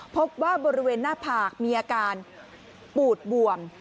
พบว่าบริเวณหน้าผากมีอาการปูดบวม